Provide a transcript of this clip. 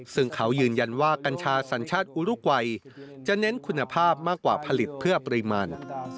ซึ่งเขายืนยันว่ากัญชาสัญชาติอุรุกวัยจะเน้นคุณภาพมากกว่าผลิตเพื่อปริมาณ